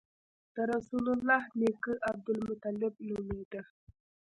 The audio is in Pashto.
د رسول الله نیکه عبدالمطلب نومېده.